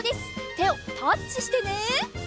てをタッチしてね！